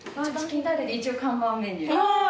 一応看板メニュー。